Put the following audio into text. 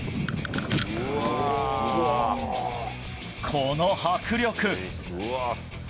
この迫力！